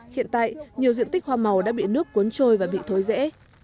hiện tại nhiều diện tích hoa màu đã bị nước cuốn trôi và bị thối rễ